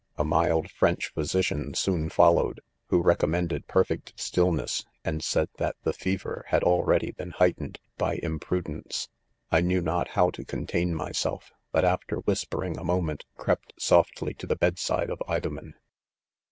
A mild French physician soon followed, who recom mended perfect stillness, and said that the fe ver had already been heightened by impru dence. 44 1 knew not how to contain myself, but after whispering .a moment, crept softly to the bed side of Idomen.